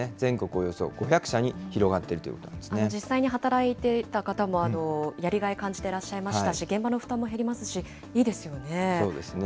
およそ５００社に広がっているということで実際に働いていた方も、やりがい感じていらっしゃいましたし、現場の負担も減りますし、いいでそうですね。